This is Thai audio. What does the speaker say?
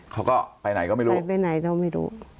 เขาก็ไปไหนก็ไม่รู้